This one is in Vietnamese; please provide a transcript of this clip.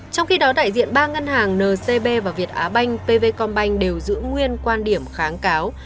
trong khi đó đại diện ba ngân hàng ncb và việt á banh pv combin đều giữ nguyên quan điểm kháng cáo